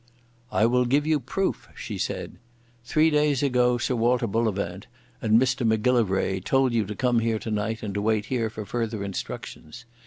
"I will give you proof," she said. "Three days ago Sir Walter Bullivant and Mr Macgillivray told you to come here tonight and to wait here for further instructions.